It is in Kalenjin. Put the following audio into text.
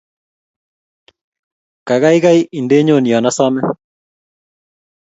Kagaiga-i-ndennyo yan asame